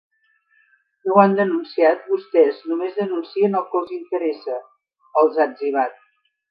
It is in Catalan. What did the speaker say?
No ho han denunciat, vostès només denuncien el que els interessa, els ha etzibat.